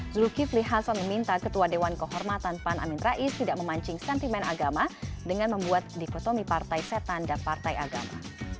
zulkifli hasan meminta ketua dewan kehormatan pan amin rais tidak memancing sentimen agama dengan membuat dikotomi partai setan dan partai agama